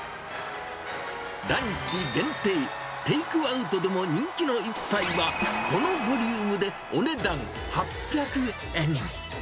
ランチ限定、テイクアウトでも人気の一杯は、このボリュームでお値段８００円。